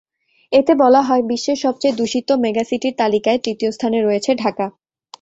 এতে বলা হয়, বিশ্বের সবচেয়ে দূষিত মেগাসিটির তালিকায় তৃতীয় স্থানে রয়েছে ঢাকা।